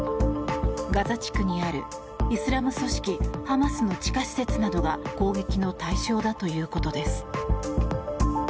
ガザ地区にあるイスラム組織ハマスの地下施設などが攻撃の対象だということです。